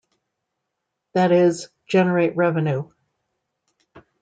That is, generate revenue.